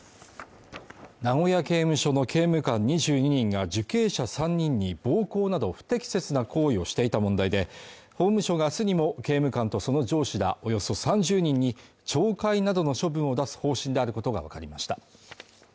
名古屋刑務所の刑務官２２人が受刑者３人に暴行など不適切な行為をしていた問題で、法務省が明日にも、刑務官とその上司らおよそ３０人に懲戒などの処分を出す方針であることがわかりました。